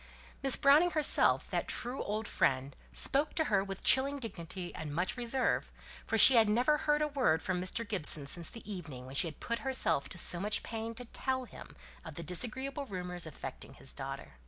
Miss Browning herself, that true old friend, spoke to her with chilling dignity, and much reserve; for she had never heard a word from Mr. Gibson since the evening when she had put herself to so much pain to tell him of the disagreeable rumours affecting his daughter.